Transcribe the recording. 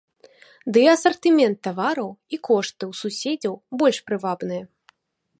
Ды і асартымент тавараў і кошты ў суседзяў больш прывабныя.